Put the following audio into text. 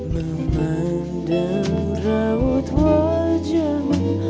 memandang rawut wajahmu